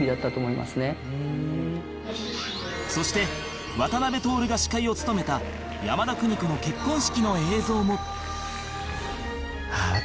そして渡辺徹が司会を務めた山田邦子の結婚式の映像も